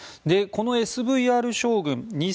このＳＶＲ将軍